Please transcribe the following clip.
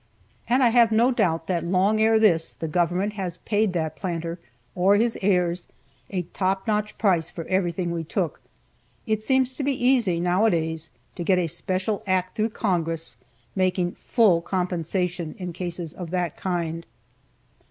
And I have no doubt that long ere this the Government has paid that planter, or his heirs, a top notch price for everything we took. It seems to be easy, now a days, to get a special Act through Congress, making "full compensation" in cases of that kind.